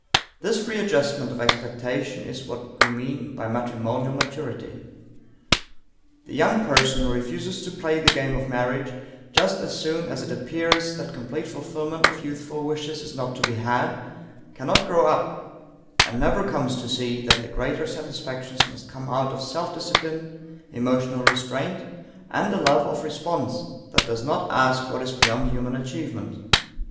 This readjustment of expectation is what we mean by matrimonial maturity. The young person who refuses to play the game of marriage, just as soon as it appears that complete fulfillment of youthful wishes is not to be had, cannot grow up and never comes to see that the greater satisfactions must come out of self discipline, emotional restraint, and a love of response that does not ask what is beyond human achievement.